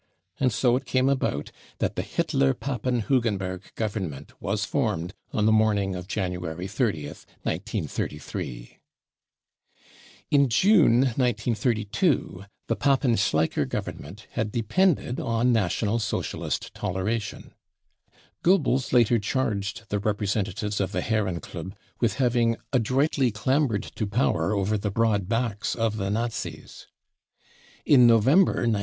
And so it came about that the Hitler PapeivHugenberg Government was formed on the morning of January 30th, 1933. In June 1932 the Papen Schleicher Government had \ depended on National Socialist toleration. Goebbels later charged the representatives of the Herrenklub with having 44 adroitly clambered to power over the broad backs of the Nazis," In November 1932?